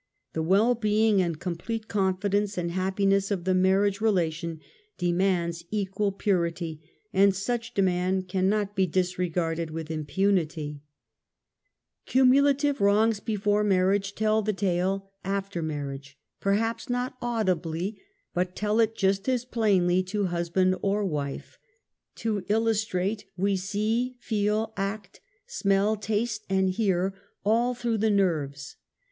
The well being and complete confidence and happiness of the marriage relation demands equal purity, and such demand cannot be disregarded with impunity. Cu LANGUAGE GF THE NERVES. 141 mulative wrongs before marriage tell the tale after marriage — perhaps not audibly, but tell it just as plainly to husband or wife. To illustrate, we see, feel, act, smell, taste and hear all through the nerves.